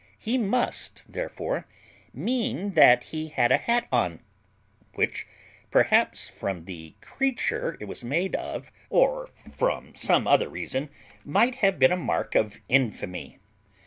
He must therefore mean that he had a hat on, which, perhaps, from the creature it was made of, or from some other reason, might have been a mark of infamy.